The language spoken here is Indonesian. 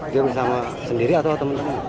dia bersama sendiri atau teman teman